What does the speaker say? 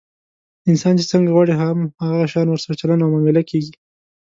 انسان چې څنګه غواړي، هم هغه شان ورسره چلند او معامله کېږي.